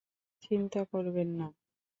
চিন্তা করবেন না।